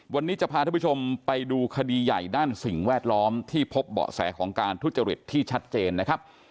วันนี้จะพาท่านผู้ชมไปดูคดีใหญ่ด้านสิ่งแวดล้อมที่พบเบาะแสของการทุจริตที่ชัดเจนนะครับ